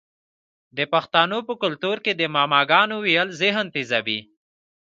د پښتنو په کلتور کې د معما ګانو ویل ذهن تیزوي.